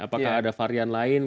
apakah ada varian lain